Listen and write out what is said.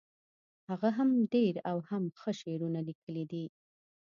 هغه هم ډیر او هم ښه شعرونه لیکلي دي